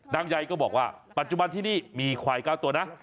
ยายก็บอกว่าปัจจุบันที่นี่มีควาย๙ตัวนะ